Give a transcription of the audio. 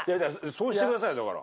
そうしてくださいよだから。